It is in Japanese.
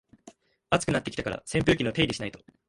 暑くなってきたから扇風機の手入れしないと